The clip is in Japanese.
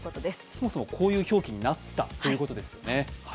そもそもこういう表記になったということですね。